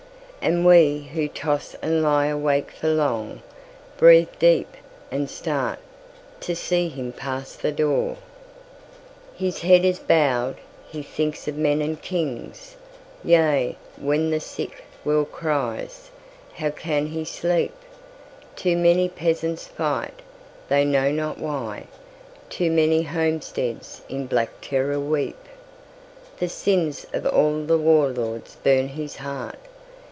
And we who toss and lie awake for long, Breathe deep, and start, to see him pass the door. His head is bowed. He thinks of men and kings. Yea, when the sick world cries, how can he sleep? Too many peasants fight, they know not why; Too many homesteads in black terror weep. The sins of all the war lords burn his heart.